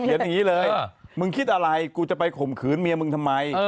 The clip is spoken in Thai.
อย่างนี้เลยมึงคิดอะไรกูจะไปข่มขืนเมียมึงทำไม